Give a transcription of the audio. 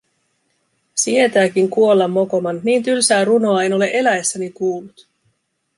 Sietääkin kuolla mokoman, niin tylsää runoa en ole eläessäni kuullut.